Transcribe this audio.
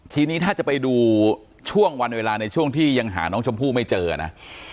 ทีนี้ถ้าจะไปดูช่วงวันเวลาในช่วงที่ยังหาน้องชมพู่ไม่เจอนะ